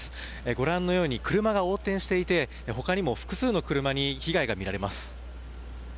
ご覧のように車が横転していて他にも複数の車に被害が見られます。